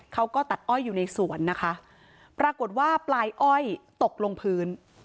เขาก็ตัดอ้อยอยู่ในสวนนะคะปรากฏว่าปลายอ้อยตกลงพื้น